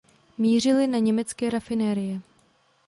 Mířily na německé rafinérie.